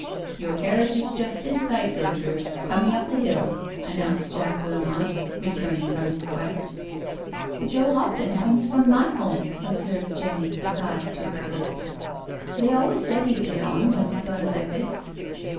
" Your carriage is just in sight, Gertrude — coming up the hill/' announced Jack Wilmot, returning from his quest. *• Joe H opt on comes from my home," observed Jenny, aside, to her hostess. " They always said he'd get on, once he got elected."